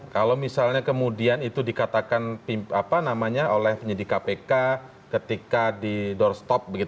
kalau misalnya kemudian itu dikatakan oleh penyidik kpk ketika di doorstop